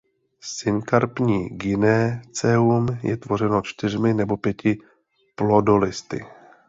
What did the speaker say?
Synkarpní gyneceum je tvořeno čtyřmi nebo pěti plodolisty.